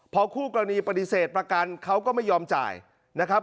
พอคู่กรณีปฏิเสธประกันเขาก็ไม่ยอมจ่ายนะครับ